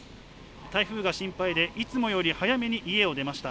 台風が心配でいつもより早めに家を出ました。